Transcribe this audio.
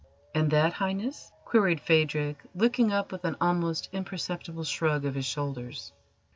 "And that, Highness?" queried Phadrig, looking up with an almost imperceptible shrug of his shoulders.